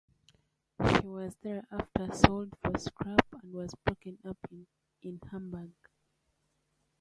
She was thereafter sold for scrap and was broken up in Hamburg.